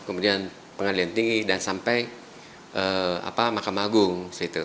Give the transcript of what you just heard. kemudian pengadilan tinggi dan sampai mahkamah agung